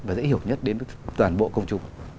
và dễ hiểu nhất đến toàn bộ công trùng